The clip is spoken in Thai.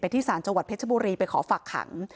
ไปที่ศาลจวัสเพชลบุรีไปขอฝากหัง